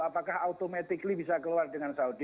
apakah automatically bisa keluar dengan saudi